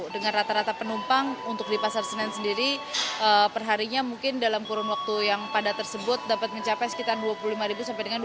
dengan rata rata penumpang untuk di pasar senen sendiri perharinya mungkin dalam kurun waktu yang padat tersebut dapat mencapai sekitar dua puluh lima sampai dengan dua puluh